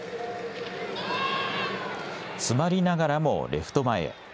詰まりながらもレフト前へ。